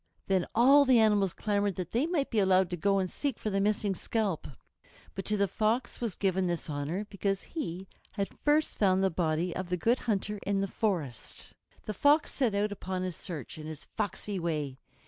Then all the animals clamored that they might be allowed to go and seek for the missing scalp. But to the Fox was given this honor, because he had first found the body of the Good Hunter in the forest. The Fox set out upon his search, in his foxy way.